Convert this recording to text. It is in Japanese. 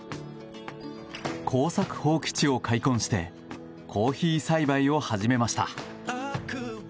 耕作放棄地を開墾してコーヒー栽培を始めました。